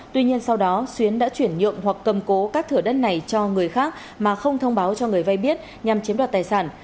tuy nhiên sau đó xuyến đã chuyển nhượng hoặc cầm cố các thửa đất này cho người khác mà không thông báo cho người vay biết nhằm chiếm đoạt tài sản